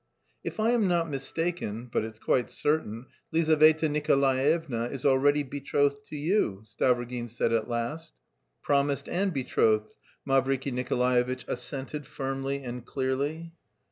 "If I am not mistaken (but it's quite certain), Lizaveta Nikolaevna is already betrothed to you," Stavrogin said at last. "Promised and betrothed," Mavriky Nikolaevitch assented firmly and clearly.